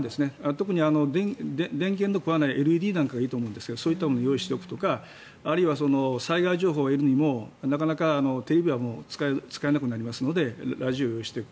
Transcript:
特に電源を食わないＬＥＤなんかがいいと思うんですがそういうのを用意しておくとかあるいは災害情報を得るにもなかなかテレビは使えなくなりますのでラジオを用意しておく。